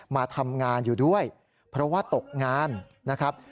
มาทำงานอยู่ด้วยเพราะว่าตกงานนะครับ